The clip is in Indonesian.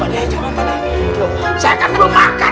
saya akan belum makan